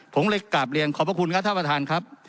ผมเลยกราบเรียนขอบพระคุณครับท่านประธานครับ